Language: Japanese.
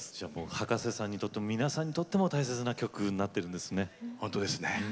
葉加瀬さんにとっても皆さんにとっても大切な曲に本当ですね。